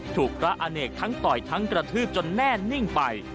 ถูกพระอเนกทั้งต่อยทั้งกระทืบจนแน่นิ่งไป